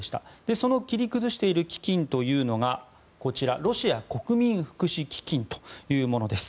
その切り崩している基金というのがこちら、ロシア国民福祉基金というものです。